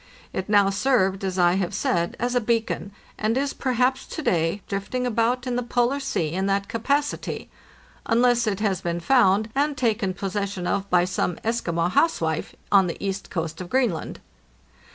It now served, as I have said, as a beacon, and is perhaps to day drifting about in the Polar Sea in that capacity — unless it has been found and taken possession of by some Eskimo housewife on the east coast of Greenland.